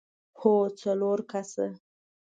هو، څلور کسه!